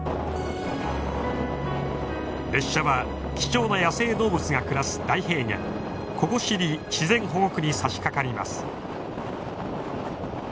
列車は貴重な野生動物が暮らす大平原ココシリ自然保護区にさしかかります。